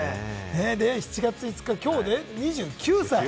７月５日、きょう、２９歳。